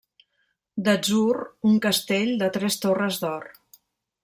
D'atzur, un castell de tres torres d'or.